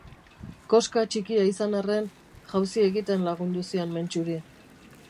Koska txikia izan arren, jauzi egiten lagundu zion Mentxuri.